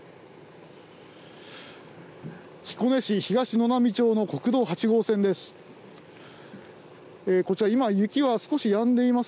彦根市東沼波町の国道８号線です。